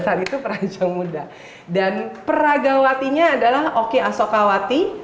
saat itu peranjang muda dan peragawatinya adalah oki asokawati